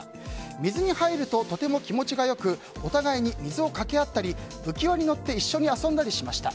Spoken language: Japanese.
水に入ると、とても気持ちが良くお互いに水を掛け合ったり浮き輪に乗って一緒に遊んだりしました。